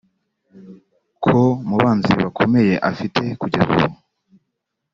ko mu banzi bakomeye afite kugeza ubu